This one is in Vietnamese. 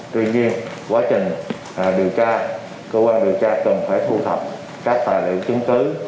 tuy nhiên quá trình điều tra cơ quan điều tra cần phải thu thập các tài liệu chứng cứ